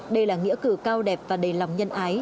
đây là nghĩa cử cao đẹp và đầy lòng nhân ái